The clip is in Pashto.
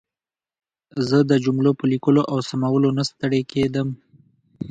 زه د جملو په لیکلو او سمولو نه ستړې کېدم.